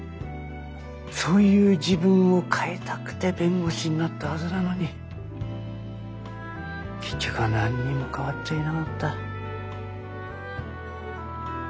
そういう自分を変えたくて弁護士になったはずなのに結局は何にも変わっちゃいなかった。